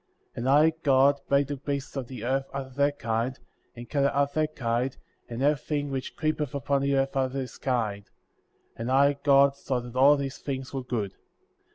And I, God, made the beasts of the earth after their kind, and cattle after their kind, and everything which creepeth upon the earth after his kind; and I, God, saw that all these things were good.